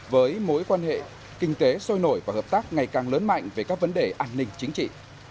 với mối quan hệ kinh tế sôi nổi và hợp tác ngày càng lớn mạnh về các vấn đề an ninh chính trị